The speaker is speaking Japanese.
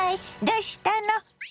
どうしたの？